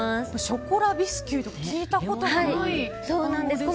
ショコラビスキュイとか聞いたことない言葉なんですが。